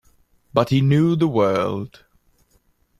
But he knew the world.